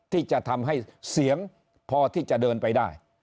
ที่จะทำให้เสียงพอที่จะเดินไปได้